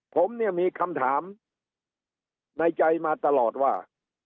ผมเนี่ยมีคำถามในใจมาตลอดว่า